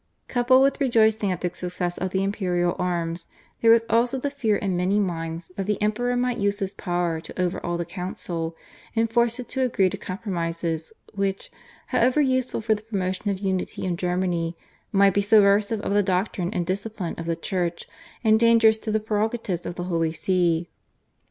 Coupled with rejoicing at the success of the imperial arms there was also the fear in many minds that the Emperor might use his power to overawe the Council, and force it to agree to compromises, which, however useful for the promotion of unity in Germany, might be subversive of the doctrine and discipline of the Church and dangerous to the prerogatives of the Holy See.